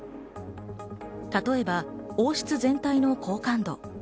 例えば、王室全体の好感度。